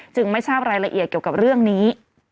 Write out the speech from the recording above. ไม่ทราบรายละเอียดเกี่ยวกับเรื่องนี้